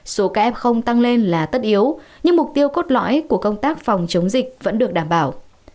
số ca f tăng lên là tất yếu nhưng mục tiêu cốt lõi của công tác phòng chống dịch vẫn được đảm bảo